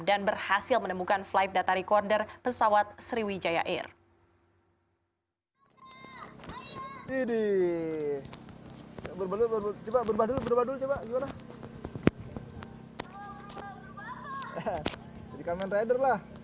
dan berhasil menemukan flight data recorder pesawat sriwijaya air